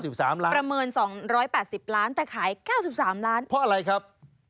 จริงจริงประเมิน๒๘๐ล้านแต่ขายประเมิน๙๓ล้าน